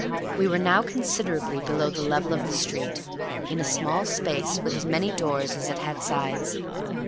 We were now considerably below the level of the street, in a small space with as many doors as it had sides.